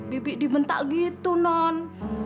bibik dibentak gitu non